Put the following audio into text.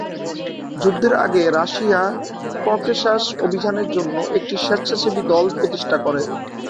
যুদ্ধের আগে Russia Caucasus অভিযানের জন্য একটি স্বেচ্ছাসেবী দল প্রতিষ্ঠা করে।